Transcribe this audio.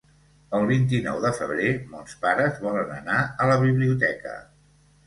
El vint-i-nou de febrer mons pares volen anar a la biblioteca.